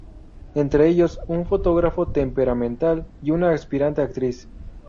Entre ellos un fotógrafo temperamental y una aspirante a actriz.